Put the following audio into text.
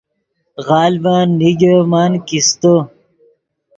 غلڤن نیگے من کیستے